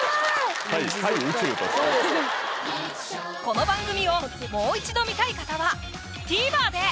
この番組をもう一度観たい方はＴＶｅｒで！